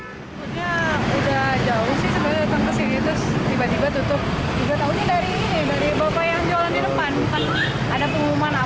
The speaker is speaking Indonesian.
sebenarnya sudah jauh sih sebenarnya datang ke sini terus tiba tiba tutup